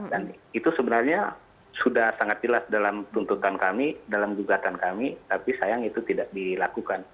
dan itu sebenarnya sudah sangat jelas dalam tuntutan kami dalam gugatan kami tapi sayang itu tidak dilakukan